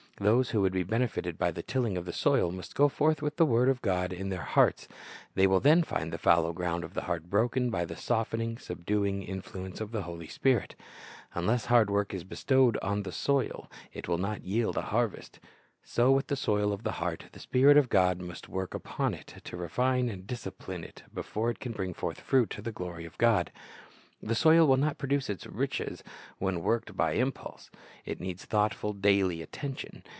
Those who would be benefited by the tilling of the soil must go forth with the word of God in their hearts. They will then find the fallow ground of the heart broken by the softening, subduing influence of the Holy Spirit. Unless hard work is bestowed on the soil, it will not yield a harvest. So with the soil of the heart: the Spirit of God must work upon it, to refine and discipline it, before it can bring forth fruit to the glory of God. The soil will not produce its riches when worked by impulse. It needs thoughtful, daily attention.